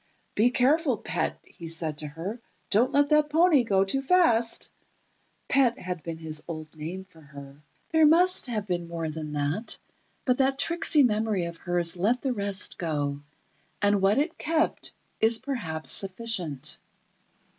"Be careful, pet," he said to her; "Don't let that pony go too fast." Pet had been his old name for her. There must have been more than that, but that tricksy memory of hers let the rest go, and what it kept is perhaps sufficient.